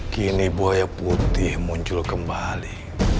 kini buaya putih muncul kembali